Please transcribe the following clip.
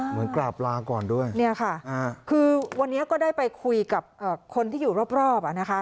เหมือนกราบลาก่อนด้วยเนี่ยค่ะคือวันนี้ก็ได้ไปคุยกับคนที่อยู่รอบอ่ะนะคะ